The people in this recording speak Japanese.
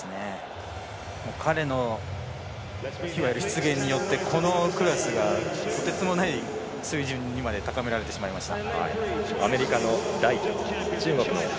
彼の出現によってこのクラスがとてつもない水準にまで高められてしまいました。